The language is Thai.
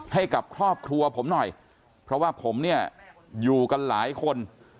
ให้กับครอบครัวผมหน่อยเพราะว่าผมเนี่ยอยู่กันหลายคน